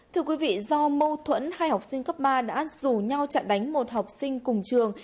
thưa quý vị do mâu thuẫn hai học sinh cấp ba đã rủ nhau chặn đánh một học sinh cùng trường